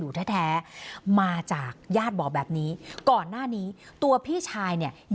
แท้แท้มาจากญาติบอกแบบนี้ก่อนหน้านี้ตัวพี่ชายเนี่ย